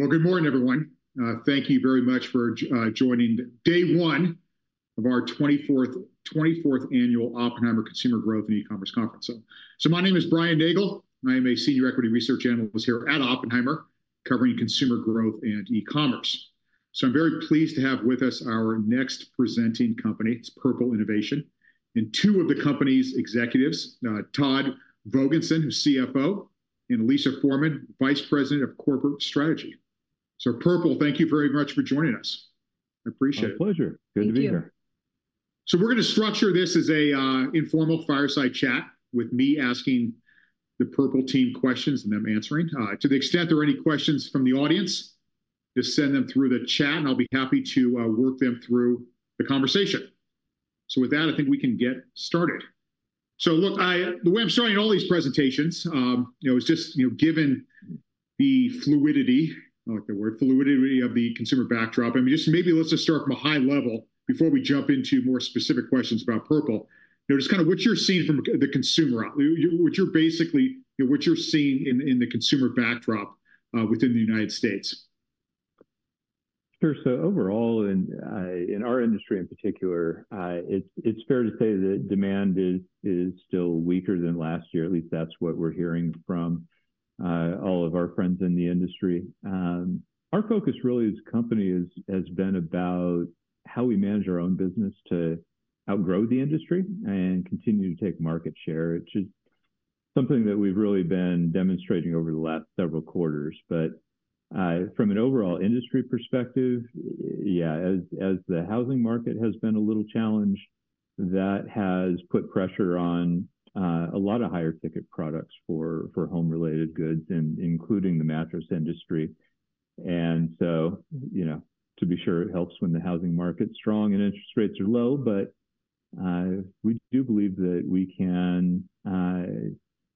Well, good morning, everyone. Thank you very much for joining day one of our 24th annual Oppenheimer Consumer Growth and E-commerce Conference. So my name is Brian Nagel. I am a senior equity research analyst here at Oppenheimer, covering consumer growth and e-commerce. So I'm very pleased to have with us our next presenting company. It's Purple Innovation. And two of the company's executives, Todd Vogensen, who's CFO, and Alicia Foreman, Vice President of Corporate Strategy. So Purple, thank you very much for joining us. I appreciate it. My pleasure. Good to be here. So we're going to structure this as an informal fireside chat with me asking the Purple team questions and them answering. To the extent there are any questions from the audience, just send them through the chat, and I'll be happy to work them through the conversation. So with that, I think we can get started. So look, the way I'm starting all these presentations, it was just given the fluidity, I like the word, fluidity of the consumer backdrop. And just maybe let's just start from a high level before we jump into more specific questions about Purple. Just kind of what you're seeing from the consumer, what you're basically, what you're seeing in the consumer backdrop within the United States. Sure. So overall, in our industry in particular, it's fair to say that demand is still weaker than last year. At least that's what we're hearing from all of our friends in the industry. Our focus really as a company has been about how we manage our own business to outgrow the industry and continue to take market share. It's just something that we've really been demonstrating over the last several quarters. But from an overall industry perspective, yeah, as the housing market has been a little challenged, that has put pressure on a lot of higher ticket products for home-related goods, including the mattress industry. And so to be sure, it helps when the housing market's strong and interest rates are low. But we do believe that we can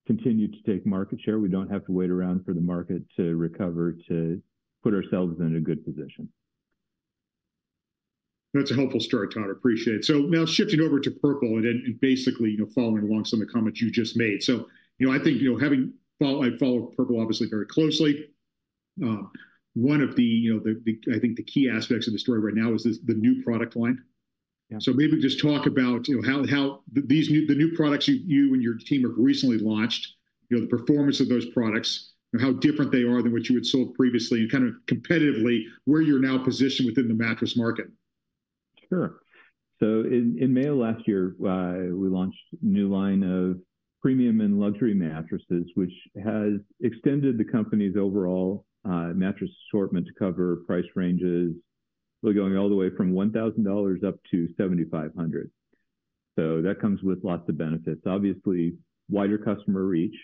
continue to take market share. We don't have to wait around for the market to recover to put ourselves in a good position. That's a helpful story, Todd. I appreciate it. So now shifting over to Purple and basically following along some of the comments you just made. So I think having followed Purple obviously very closely, one of the, I think, the key aspects of the story right now is the new product line. So maybe just talk about how the new products you and your team have recently launched, the performance of those products, how different they are than what you had sold previously, and kind of competitively, where you're now positioned within the mattress market. Sure. In May of last year, we launched a new line of premium and luxury mattresses, which has extended the company's overall mattress assortment to cover price ranges, going all the way from $1,000 up to $7,500. That comes with lots of benefits. Obviously, wider customer reach,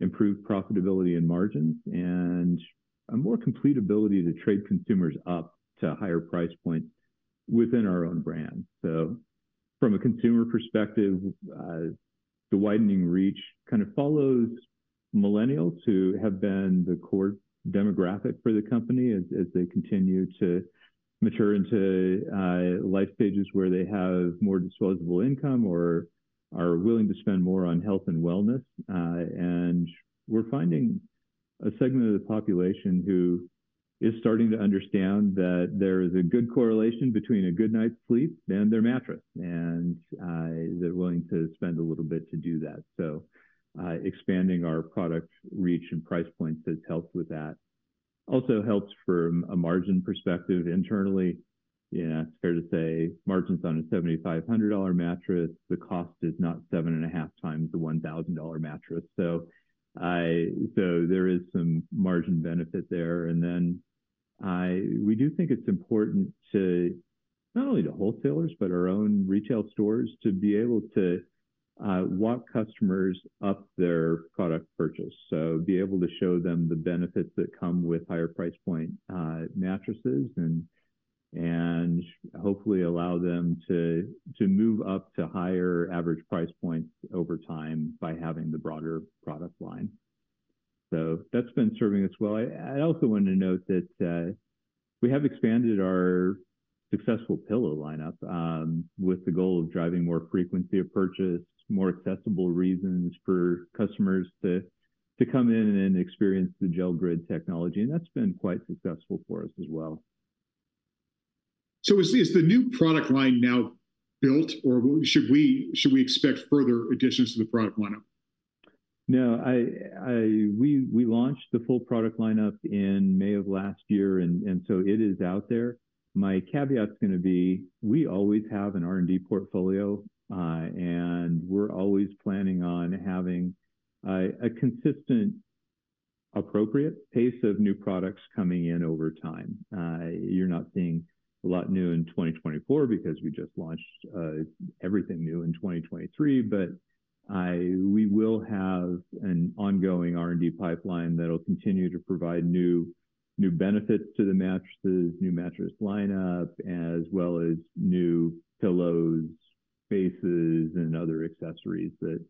improved profitability and margins, and a more complete ability to trade consumers up to higher price points within our own brand. From a consumer perspective, the widening reach kind of follows millennials who have been the core demographic for the company as they continue to mature into life stages where they have more disposable income or are willing to spend more on health and wellness. We're finding a segment of the population who is starting to understand that there is a good correlation between a good night's sleep and their mattress. They're willing to spend a little bit to do that. Expanding our product reach and price points has helped with that. Also helps from a margin perspective internally. It's fair to say margins on a $7,500 mattress, the cost is not 7.5x the $1,000 mattress. There is some margin benefit there. We do think it's important to not only the wholesalers, but our own retail stores to be able to walk customers up their product purchase. Be able to show them the benefits that come with higher price point mattresses and hopefully allow them to move up to higher average price points over time by having the broader product line. That's been serving us well. I also wanted to note that we have expanded our successful pillow lineup with the goal of driving more frequency of purchase, more accessible reasons for customers to come in and experience the Gel Grid technology. And that's been quite successful for us as well. Is the new product line now built, or should we expect further additions to the product lineup? No, we launched the full product lineup in May of last year, and so it is out there. My caveat's going to be we always have an R&D portfolio, and we're always planning on having a consistent, appropriate pace of new products coming in over time. You're not seeing a lot new in 2024 because we just launched everything new in 2023. But we will have an ongoing R&D pipeline that'll continue to provide new benefits to the mattresses, new mattress lineup, as well as new pillows, bases, and other accessories that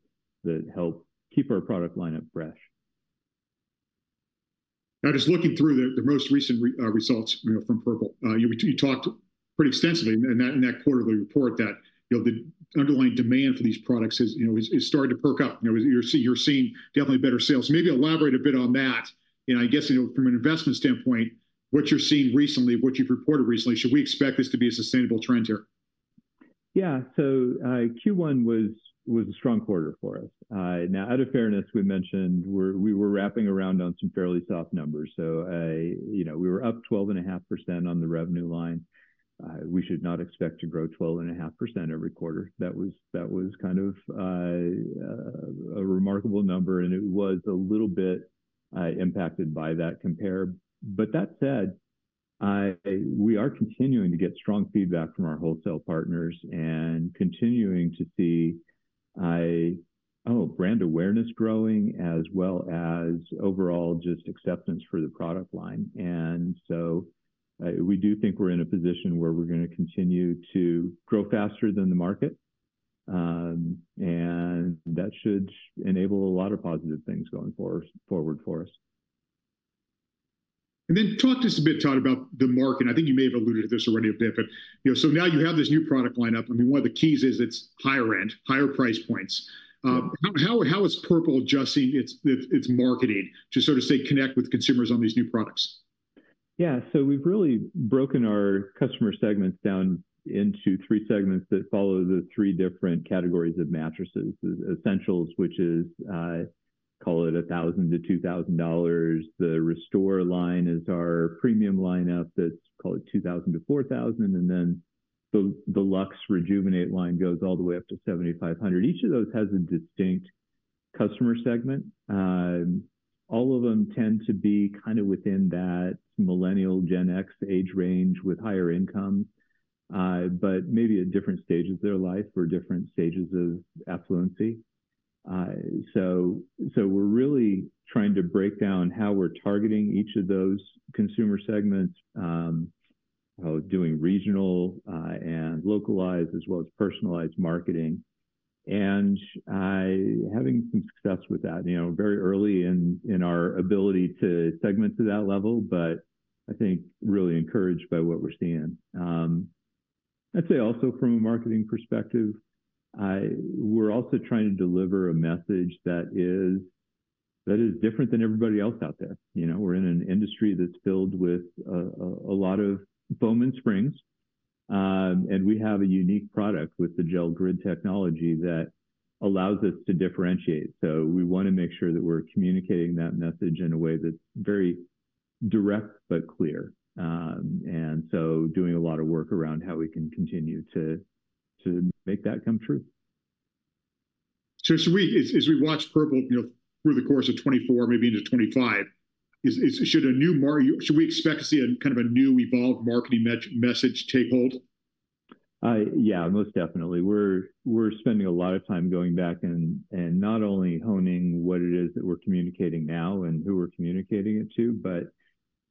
help keep our product lineup fresh. Now, just looking through the most recent results from Purple, you talked pretty extensively in that quarterly report that the underlying demand for these products has started to perk up. You're seeing definitely better sales. Maybe elaborate a bit on that. And I guess from an investment standpoint, what you're seeing recently, what you've reported recently, should we expect this to be a sustainable trend here? Yeah. So Q1 was a strong quarter for us. Now, out of fairness, we mentioned we were wrapping around on some fairly soft numbers. So we were up 12.5% on the revenue line. We should not expect to grow 12.5% every quarter. That was kind of a remarkable number, and it was a little bit impacted by that compare. But that said, we are continuing to get strong feedback from our wholesale partners and continuing to see, oh, brand awareness growing as well as overall just acceptance for the product line. And so we do think we're in a position where we're going to continue to grow faster than the market. And that should enable a lot of positive things going forward for us. Then talk to us a bit, Todd, about the market. I think you may have alluded to this already a bit. So now you have this new product lineup. I mean, one of the keys is it's higher end, higher price points. How is Purple adjusting its marketing to sort of say connect with consumers on these new products? Yeah. So we've really broken our customer segments down into three segments that follow the three different categories of mattresses: Essentials, which is, call it $1,000-$2,000. The Restore line is our premium lineup that's $2,000-$4,000. And then the luxe Rejuvenate line goes all the way up to $7,500. Each of those has a distinct customer segment. All of them tend to be kind of within that Millennial Gen X age range with higher income, but maybe at different stages of their life or different stages of affluence. So we're really trying to break down how we're targeting each of those consumer segments, doing regional and localized as well as personalized marketing, and having some success with that very early in our ability to segment to that level, but I think really encouraged by what we're seeing. I'd say also from a marketing perspective, we're also trying to deliver a message that is different than everybody else out there. We're in an industry that's filled with a lot of foam and springs. And we have a unique product with the Gel Grid technology that allows us to differentiate. So we want to make sure that we're communicating that message in a way that's very direct but clear. And so doing a lot of work around how we can continue to make that come true. So as we watch Purple through the course of 2024, maybe into 2025, should we expect to see a kind of a new evolved marketing message take hold? Yeah, most definitely. We're spending a lot of time going back and not only honing what it is that we're communicating now and who we're communicating it to, but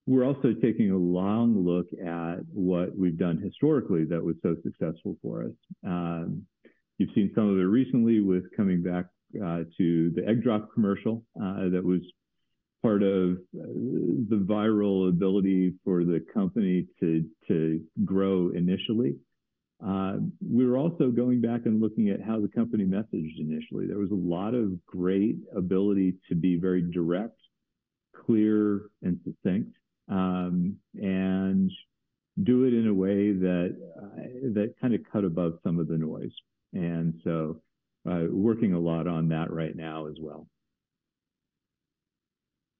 we're also taking a long look at what we've done historically that was so successful for us. You've seen some of it recently with coming back to the egg drop commercial that was part of the viral ability for the company to grow initially. We were also going back and looking at how the company messaged initially. There was a lot of great ability to be very direct, clear, and succinct, and do it in a way that kind of cut above some of the noise. And so working a lot on that right now as well.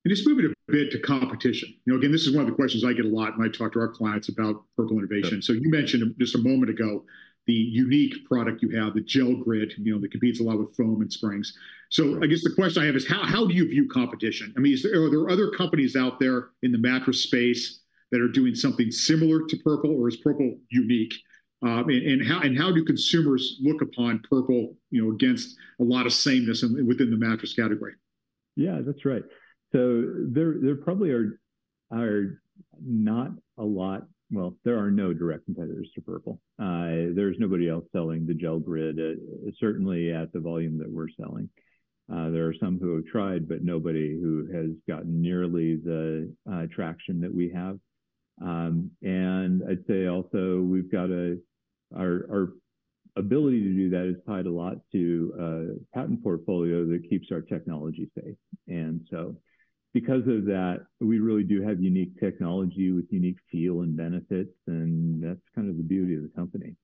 Just moving a bit to competition. Again, this is one of the questions I get a lot when I talk to our clients about Purple Innovation. So you mentioned just a moment ago the unique product you have, the Gel Grid, that competes a lot with foam and springs. So I guess the question I have is, how do you view competition? I mean, are there other companies out there in the mattress space that are doing something similar to Purple, or is Purple unique? And how do consumers look upon Purple against a lot of sameness within the mattress category? Yeah, that's right. So there are no direct competitors to Purple. There's nobody else selling the Gel Grid, certainly at the volume that we're selling. There are some who have tried, but nobody who has gotten nearly the traction that we have. And I'd say also we've got our ability to do that is tied a lot to a patent portfolio that keeps our technology safe. And so because of that, we really do have unique technology with unique feel and benefits. And that's kind of the beauty of the company.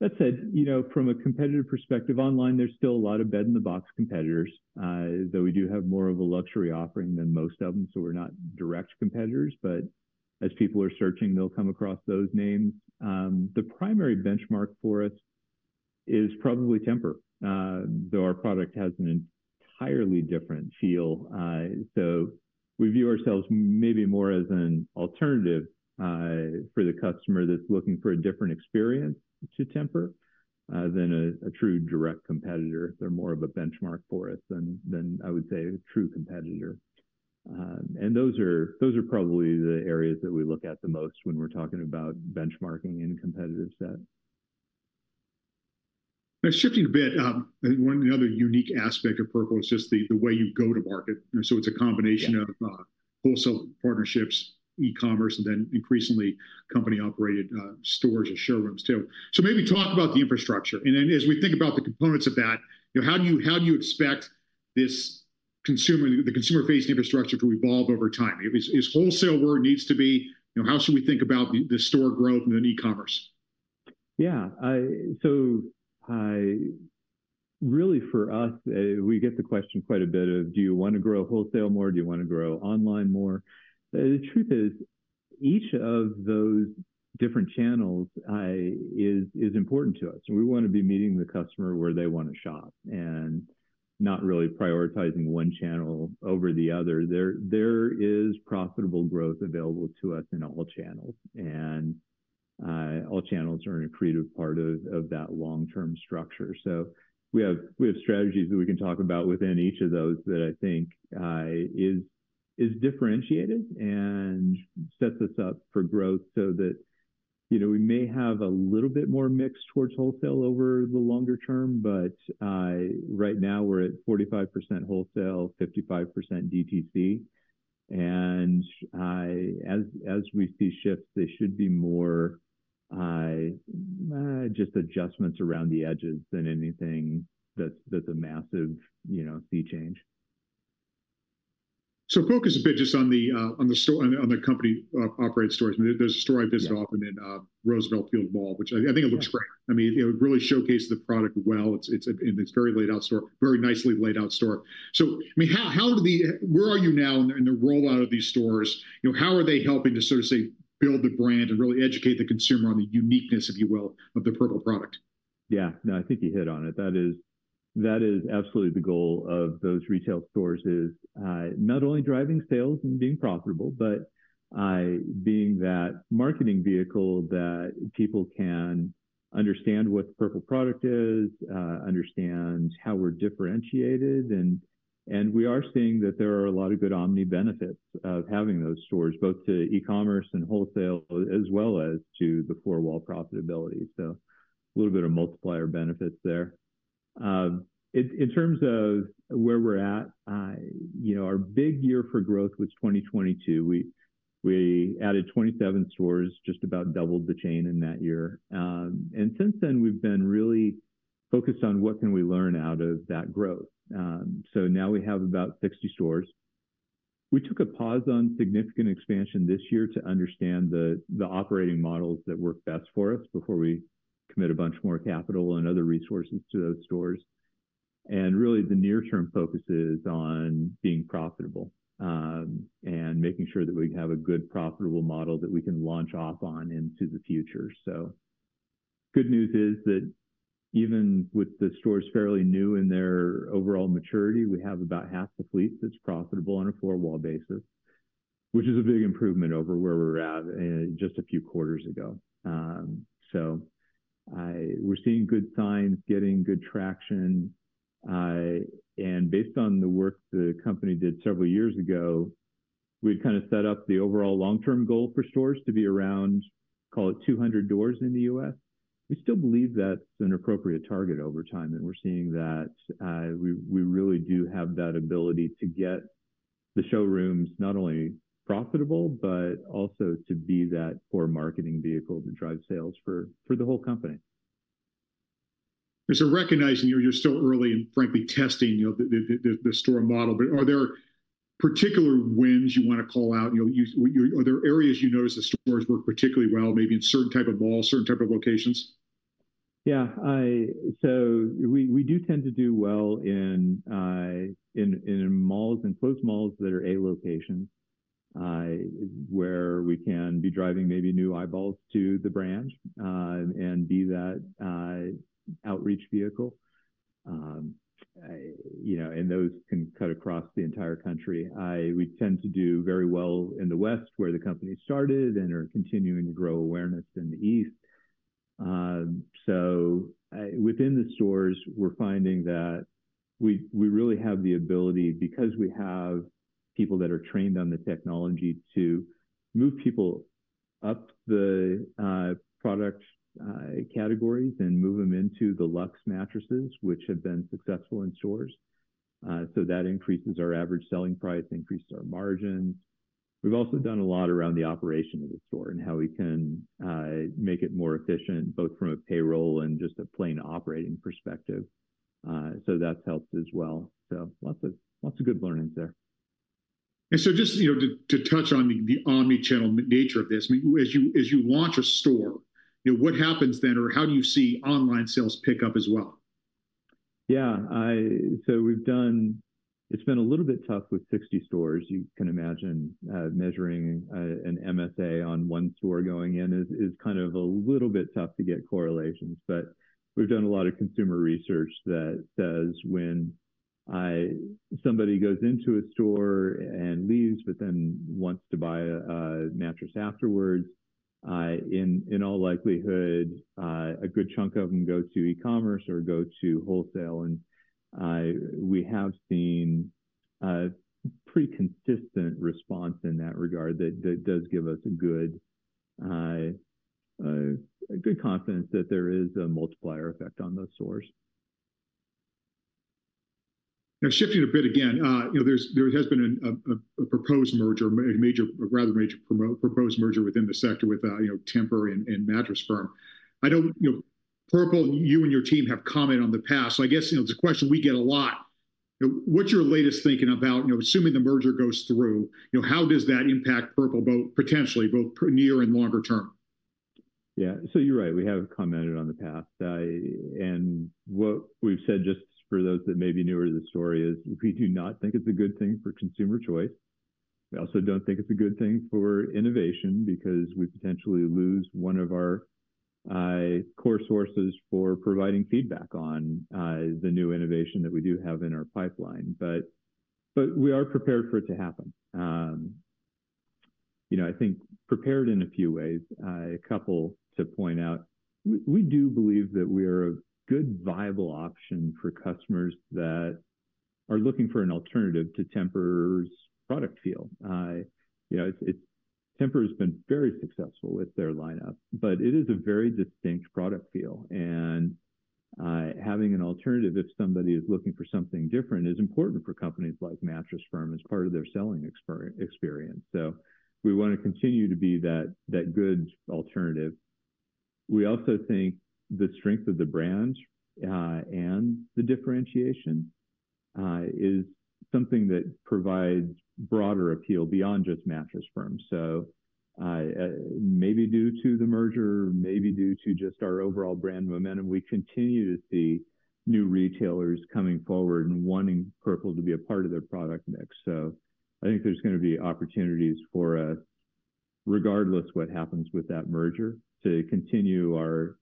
That said, from a competitive perspective online, there's still a lot of bed-in-the-box competitors, though we do have more of a luxury offering than most of them. So we're not direct competitors. But as people are searching, they'll come across those names. The primary benchmark for us is probably Tempur. Though our product has an entirely different feel. So we view ourselves maybe more as an alternative for the customer that's looking for a different experience to Tempur than a true direct competitor. They're more of a benchmark for us than I would say a true competitor. Those are probably the areas that we look at the most when we're talking about benchmarking and competitive sets. Now, shifting a bit, one of the other unique aspects of Purple is just the way you go to market. So it's a combination of wholesale partnerships, e-commerce, and then increasingly company-operated stores and showrooms too. So maybe talk about the infrastructure. And then as we think about the components of that, how do you expect the consumer-based infrastructure to evolve over time? Is wholesale where it needs to be? How should we think about the store growth and then e-commerce? Yeah. So really for us, we get the question quite a bit of, do you want to grow wholesale more? Do you want to grow online more? The truth is, each of those different channels is important to us. We want to be meeting the customer where they want to shop and not really prioritizing one channel over the other. There is profitable growth available to us in all channels. And all channels are an accretive part of that long-term structure. So we have strategies that we can talk about within each of those that I think is differentiated and sets us up for growth so that we may have a little bit more mix towards wholesale over the longer term. But right now, we're at 45% wholesale, 55% DTC. As we see shifts, there should be more just adjustments around the edges than anything that's a massive sea change. So focus a bit just on the company operating stores. There's a store I visit often in Roosevelt Field Mall, which I think it looks great. I mean, it really showcases the product well. It's a very laid-out store, very nicely laid-out store. So I mean, where are you now in the rollout of these stores? How are they helping to sort of say build the brand and really educate the consumer on the uniqueness, if you will, of the Purple product? Yeah. No, I think you hit on it. That is absolutely the goal of those retail stores is not only driving sales and being profitable, but being that marketing vehicle that people can understand what the Purple product is, understand how we're differentiated. And we are seeing that there are a lot of good omni benefits of having those stores, both to e-commerce and wholesale, as well as to the four-wall profitability. So a little bit of multiplier benefits there. In terms of where we're at, our big year for growth was 2022. We added 27 stores, just about doubled the chain in that year. And since then, we've been really focused on what can we learn out of that growth. So now we have about 60 stores. We took a pause on significant expansion this year to understand the operating models that work best for us before we commit a bunch more capital and other resources to those stores. And really, the near-term focus is on being profitable and making sure that we have a good profitable model that we can launch off on into the future. So good news is that even with the stores fairly new in their overall maturity, we have about half the fleet that's profitable on a four-wall basis, which is a big improvement over where we were at just a few quarters ago. So we're seeing good signs, getting good traction. And based on the work the company did several years ago, we'd kind of set up the overall long-term goal for stores to be around, call it 200 doors in the U.S. We still believe that's an appropriate target over time. And we're seeing that we really do have that ability to get the showrooms not only profitable, but also to be that core marketing vehicle to drive sales for the whole company. Recognizing you're still early in, frankly, testing the store model, but are there particular wins you want to call out? Are there areas you notice the stores work particularly well, maybe in certain type of malls, certain type of locations? Yeah. So we do tend to do well in malls and enclosed malls that are A locations, where we can be driving maybe new eyeballs to the brand and be that outreach vehicle. And those can cut across the entire country. We tend to do very well in the West where the company started and are continuing to grow awareness in the East. So within the stores, we're finding that we really have the ability, because we have people that are trained on the technology, to move people up the product categories and move them into the luxe mattresses, which have been successful in stores. So that increases our average selling price, increases our margins. We've also done a lot around the operation of the store and how we can make it more efficient, both from a payroll and just a plain operating perspective. So that's helped as well. Lots of good learnings there. And so just to touch on the Omni-channel nature of this, as you launch a store, what happens then, or how do you see online sales pick up as well? Yeah. So it's been a little bit tough with 60 stores. You can imagine measuring an MSA on one store going in is kind of a little bit tough to get correlations. But we've done a lot of consumer research that says when somebody goes into a store and leaves, but then wants to buy a mattress afterwards, in all likelihood, a good chunk of them go to e-commerce or go to wholesale. And we have seen pretty consistent response in that regard that does give us a good confidence that there is a multiplier effect on those stores. Now, shifting a bit again, there has been a proposed merger, a rather major proposed merger within the sector with Tempur and Mattress Firm. Purple, you and your team have commented in the past. So I guess it's a question we get a lot. What's your latest thinking about assuming the merger goes through? How does that impact Purple potentially, both near and longer term? Yeah. So you're right. We have commented on the past. And what we've said, just for those that may be newer to the story, is we do not think it's a good thing for consumer choice. We also don't think it's a good thing for innovation because we potentially lose one of our core sources for providing feedback on the new innovation that we do have in our pipeline. But we are prepared for it to happen. I think prepared in a few ways. A couple to point out. We do believe that we are a good viable option for customers that are looking for an alternative to Tempur's product feel. Tempur has been very successful with their lineup, but it is a very distinct product feel. Having an alternative, if somebody is looking for something different, is important for companies like Mattress Firm as part of their selling experience. We want to continue to be that good alternative. We also think the strength of the brand and the differentiation is something that provides broader appeal beyond just Mattress Firm. Maybe due to the merger, maybe due to just our overall brand momentum, we continue to see new retailers coming forward and wanting Purple to be a part of their product mix. I think there's going to be opportunities for us, regardless of what happens with that merger, to continue our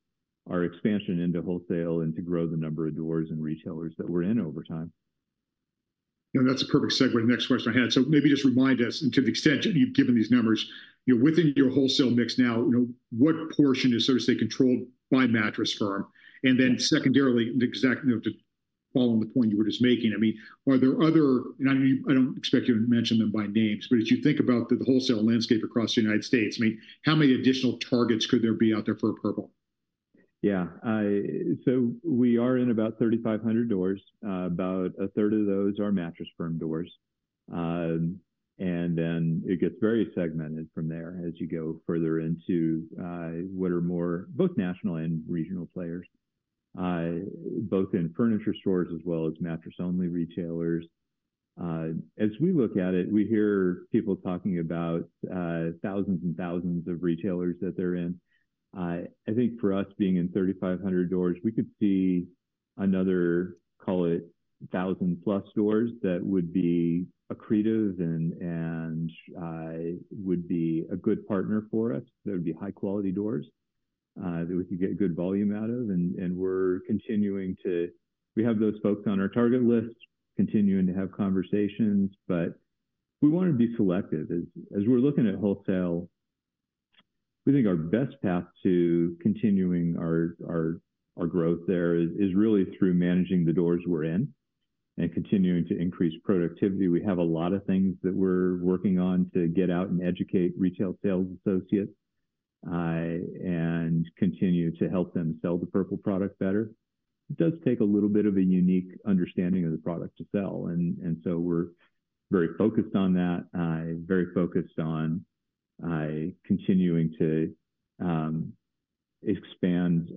expansion into wholesale and to grow the number of doors and retailers that we're in over time. And that's a perfect segue to the next question I had. So maybe just remind us, and to the extent you've given these numbers, within your wholesale mix now, what portion is sort of, say, controlled by Mattress Firm? And then secondarily, to follow on the point you were just making, I mean, are there other, and I don't expect you to mention them by names, but as you think about the wholesale landscape across the United States, I mean, how many additional targets could there be out there for Purple? Yeah. So we are in about 3,500 doors. About a third of those are Mattress Firm doors. And then it gets very segmented from there as you go further into what are more both national and regional players, both in furniture stores as well as mattress-only retailers. As we look at it, we hear people talking about thousands and thousands of retailers that they're in. I think for us, being in 3,500 doors, we could see another, call it, 1,000+ doors that would be accretive and would be a good partner for us. There would be high-quality doors that we could get good volume out of. And we're continuing to—we have those folks on our target list, continuing to have conversations. But we want to be selective. As we're looking at wholesale, we think our best path to continuing our growth there is really through managing the doors we're in and continuing to increase productivity. We have a lot of things that we're working on to get out and educate retail sales associates and continue to help them sell the Purple product better. It does take a little bit of a unique understanding of the product to sell. And so we're very focused on that, very focused on continuing to expand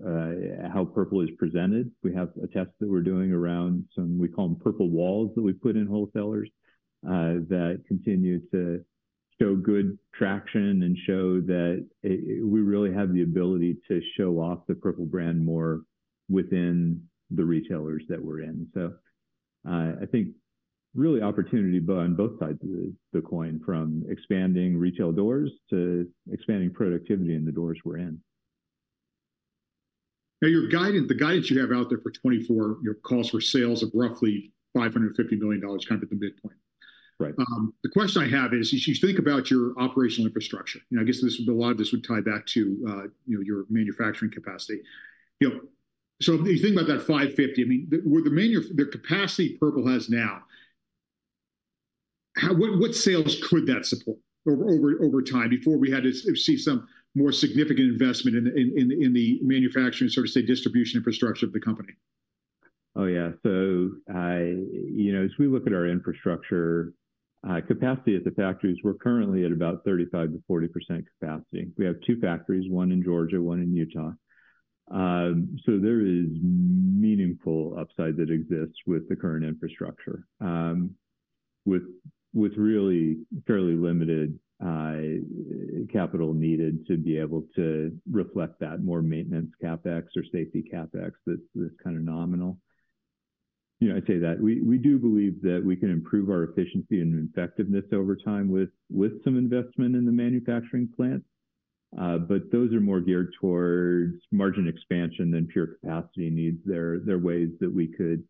how Purple is presented. We have a test that we're doing around some (we call them Purple Walls that we put in wholesalers) that continue to show good traction and show that we really have the ability to show off the Purple brand more within the retailers that we're in. I think really opportunity on both sides of the coin, from expanding retail doors to expanding productivity in the doors we're in. Now, the guidance you have out there for 2024, your cost of sales of roughly $550 million kind of at the midpoint. Right. The question I have is, as you think about your operational infrastructure, I guess a lot of this would tie back to your manufacturing capacity. So you think about that $550 million, I mean, the capacity Purple has now, what sales could that support over time before we had to see some more significant investment in the manufacturing and sort of, say, distribution infrastructure of the company? Oh, yeah. So as we look at our infrastructure capacity at the factories, we're currently at about 35%-40% capacity. We have two factories, one in Georgia, one in Utah. So there is meaningful upside that exists with the current infrastructure, with really fairly limited capital needed to be able to reflect that more maintenance CapEx or safety CapEx that's kind of nominal. I'd say that we do believe that we can improve our efficiency and effectiveness over time with some investment in the manufacturing plant. But those are more geared towards margin expansion than pure capacity needs. There are ways that we could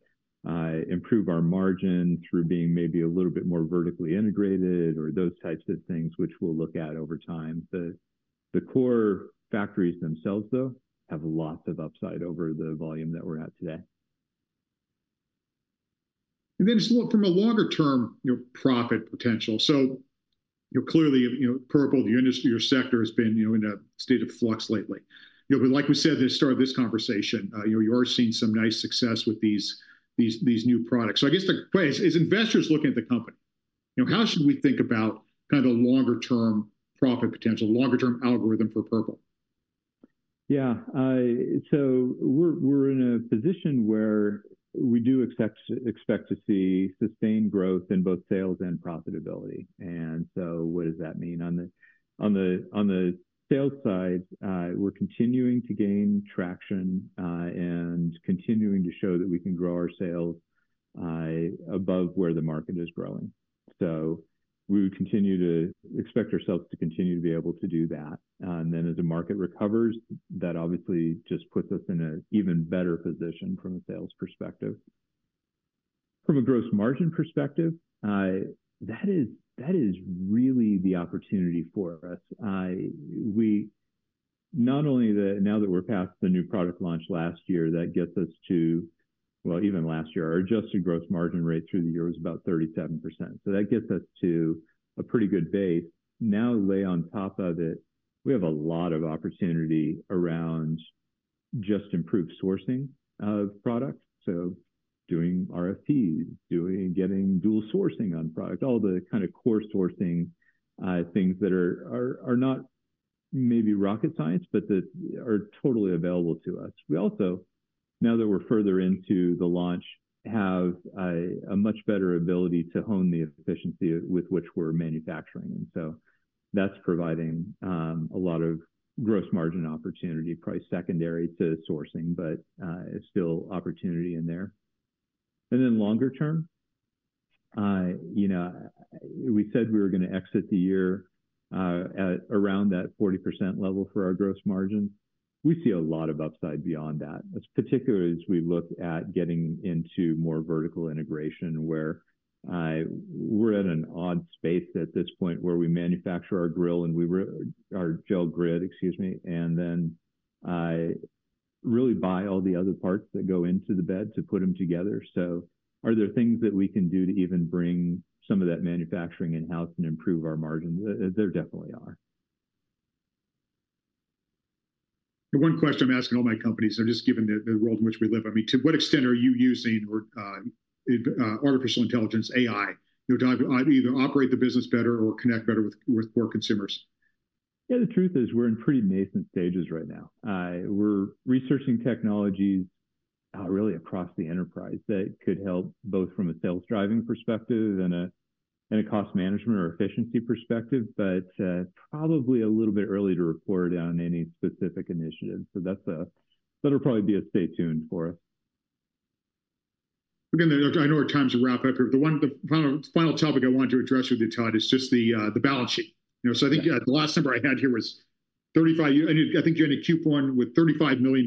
improve our margin through being maybe a little bit more vertically integrated or those types of things, which we'll look at over time. The core factories themselves, though, have lots of upside over the volume that we're at today. And then just look from a longer-term profit potential. So clearly, Purple, your sector has been in a state of flux lately. But like we said at the start of this conversation, you are seeing some nice success with these new products. So I guess the question is, as investors looking at the company, how should we think about kind of a longer-term profit potential, longer-term algorithm for Purple? Yeah. So we're in a position where we do expect to see sustained growth in both sales and profitability. And so what does that mean? On the sales side, we're continuing to gain traction and continuing to show that we can grow our sales above where the market is growing. So we would continue to expect ourselves to continue to be able to do that. And then as the market recovers, that obviously just puts us in an even better position from a sales perspective. From a gross margin perspective, that is really the opportunity for us. Not only that, now that we're past the new product launch last year, that gets us to, well, even last year, our adjusted gross margin rate through the year was about 37%. So that gets us to a pretty good base. Now, lay on top of it, we have a lot of opportunity around just improved sourcing of product. So doing RFPs, getting dual sourcing on product, all the kind of core sourcing things that are not maybe rocket science, but that are totally available to us. We also, now that we're further into the launch, have a much better ability to hone the efficiency with which we're manufacturing. And so that's providing a lot of gross margin opportunity, probably secondary to sourcing, but still opportunity in there. And then longer term, we said we were going to exit the year at around that 40% level for our gross margin. We see a lot of upside beyond that, particularly as we look at getting into more vertical integration, where we're at an odd space at this point where we manufacture our grid and our gel grid, excuse me, and then really buy all the other parts that go into the bed to put them together. So are there things that we can do to even bring some of that manufacturing in-house and improve our margins? There definitely are. One question I'm asking all my companies, just given the world in which we live, I mean, to what extent are you using artificial intelligence, AI, to either operate the business better or connect better with poor consumers? Yeah, the truth is we're in pretty nascent stages right now. We're researching technologies really across the enterprise that could help both from a sales driving perspective and a cost management or efficiency perspective, but probably a little bit early to report on any specific initiative. That'll probably be a stay tuned for us. Again, I know our time's wrapped up here. The final topic I wanted to address with you, Todd, is just the balance sheet. So I think the last number I had here was 35. I think you're in a Q1 with $35 million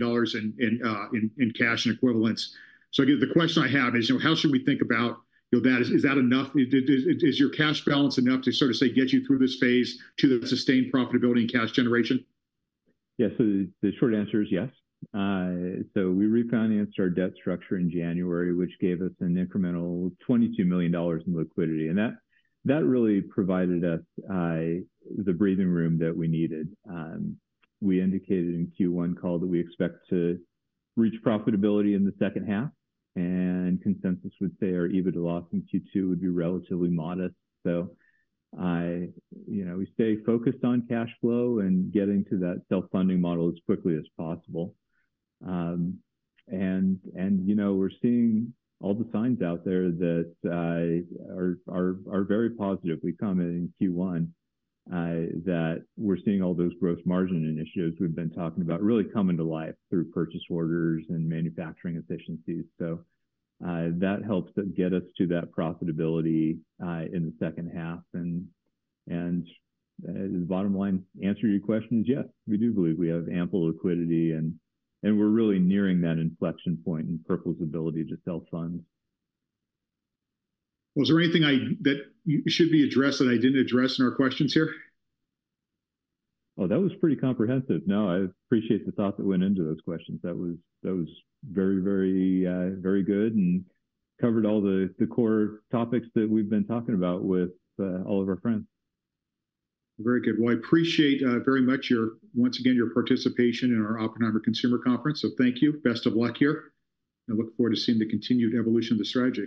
in cash and equivalents. So I guess the question I have is, how should we think about that? Is that enough? Is your cash balance enough to sort of say get you through this phase to the sustained profitability and cash generation? Yeah. So the short answer is yes. So we refinanced our debt structure in January, which gave us an incremental $22 million in liquidity. And that really provided us the breathing room that we needed. We indicated in Q1 call that we expect to reach profitability in the second half. And consensus would say our EBITDA loss in Q2 would be relatively modest. So we stay focused on cash flow and getting to that self-funding model as quickly as possible. And we're seeing all the signs out there that are very positive. We commented in Q1 that we're seeing all those gross margin initiatives we've been talking about really come into life through purchase orders and manufacturing efficiencies. So that helps get us to that profitability in the second half. The bottom line answer to your question is yes, we do believe we have ample liquidity, and we're really nearing that inflection point in Purple's ability to self-fund. Was there anything that should be addressed that I didn't address in our questions here? Oh, that was pretty comprehensive. No, I appreciate the thought that went into those questions. That was very, very good and covered all the core topics that we've been talking about with all of our friends. Very good. Well, I appreciate very much, once again, your participation in our Oppenheimer Consumer Conference. Thank you. Best of luck here. Look forward to seeing the continued evolution of the strategy.